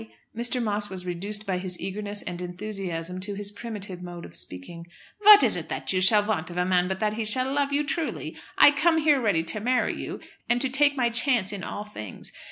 vy?" Mr. Moss was reduced by his eagerness and enthusiasm to his primitive mode of speaking "Vat is it that you shall want of a man but that he shall love you truly? I come here ready to marry you, and to take my chance in all things.